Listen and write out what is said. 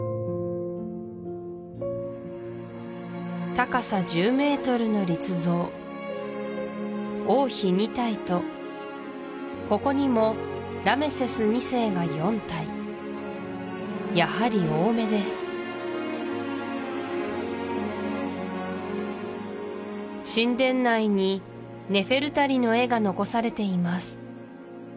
高さ１０ｍの立像王妃２体とここにもラメセス２世が４体やはり多めです神殿内にネフェルタリの絵が残されています